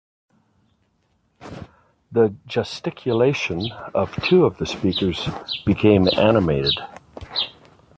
The gesticulation of two of the speakers became animated.